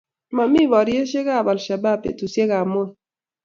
mamii boryekab Alshabaab betusiekab Moi